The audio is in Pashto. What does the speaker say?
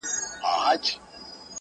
o و خاوند لره پیدا یې ورک غمی سو,